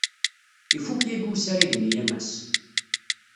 Ifuk yagi usarag-nni a Mass.